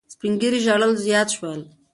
سپین ږیري ژړل زیات شول.